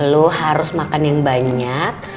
lu harus makan yang banyak